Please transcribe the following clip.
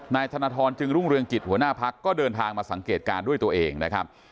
นายธนทรจึงรุ่งเรืองกิจหัวหน้าพักก็เดินทางมาสังเกตการณ์ด้วยตัวเองนะครับ